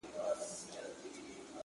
خو خپه كېږې به نه،